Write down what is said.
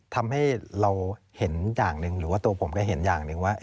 ทำให้เราเห็นอย่างหนึ่งหรือว่าตัวผมก็เห็นอย่างหนึ่งว่า